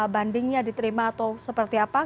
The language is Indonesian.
bandingnya diterima atau seperti apa